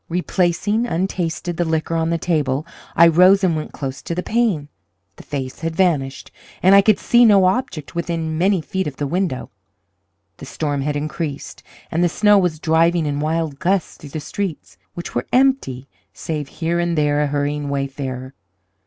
Replacing, untasted, the liquor on the table, I rose and went close to the pane. The face had vanished, and I could see no object within many feet of the window. The storm had increased, and the snow was driving in wild gusts through the streets, which were empty, save here and there a hurrying wayfarer.